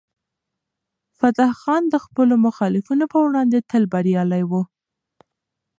فتح خان د خپلو مخالفینو په وړاندې تل بریالی و.